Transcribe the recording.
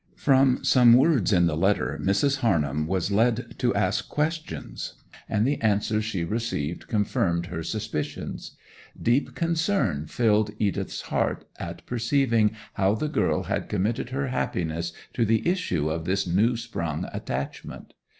From some words in the letter Mrs. Harnham was led to ask questions, and the answers she received confirmed her suspicions. Deep concern filled Edith's heart at perceiving how the girl had committed her happiness to the issue of this new sprung attachment.